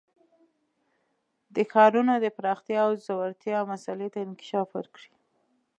د ښارونو د پراختیا او ځوړتیا مسئلې ته انکشاف ورکړي.